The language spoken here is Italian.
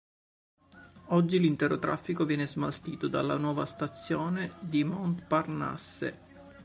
Oggi l'intero traffico viene smaltito dalla nuova stazione di Montparnasse.